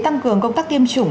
để tăng cường công tác tiêm chủng